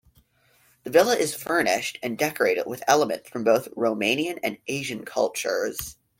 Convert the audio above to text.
The villa is furnished and decorated with elements from both Romanian and Asian cultures.